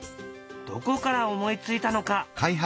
どこから思いついたのか。